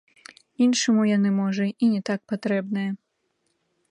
Іншаму яны, можа, і не так патрэбныя.